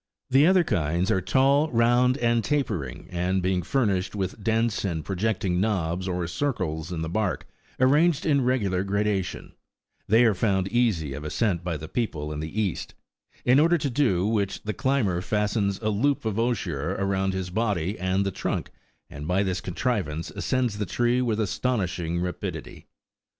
The other kinds are tall, round, and tapering ; and being furnished with dense and projecting knobs or circles in the bark, arranged in regular gradation, they are found easy of ascent by the people in the East ; in order to do which, the climber fastens a loop of osier round his body and the trunk, and by this contrivance ascends the tree with astonishing 12 rapidity.